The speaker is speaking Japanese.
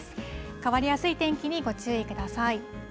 変わりやすい天気にご注意ください。